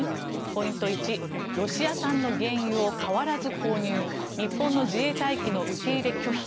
ポイント１ロシア産の原油を変わらず購入日本の自衛隊機の受け入れ拒否。